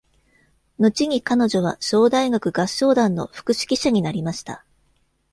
後に、彼女は、ショー大学合唱団の副指揮者になりました。